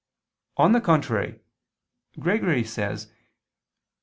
On the contrary, Gregory says (Nom.